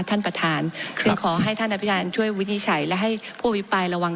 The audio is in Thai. ท่านประธานซึ่งขอให้ท่านอภิญช่วยวินิจฉัยและให้ผู้อภิปรายระวัง